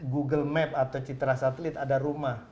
google map atau citra satelit ada rumah